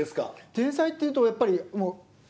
天才っていうとやっぱり。